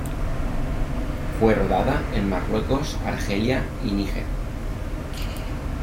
Fue rodada en Marruecos, Argelia, y Niger.